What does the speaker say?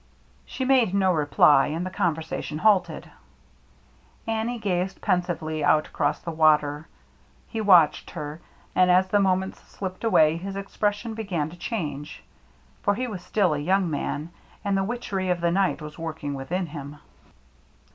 She made no reply, and the conversation halted. Annie gazed pensively out across the water. He watched her, and as the moments slipped away his expression began to change ; for he was still a young man, and the witchery of the night was working within him.